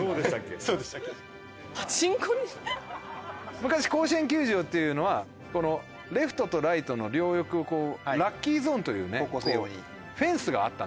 昔甲子園球場っていうのはレフトとライトの両翼をこうラッキーゾーンというねフェンスがあったんですよ。